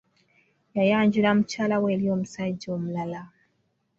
Yayanjula mukyala we eri omusajja omulala.